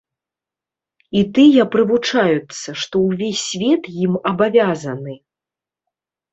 І тыя прывучаюцца, што ўвесь свет ім абавязаны.